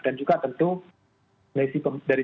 dan juga tentu dari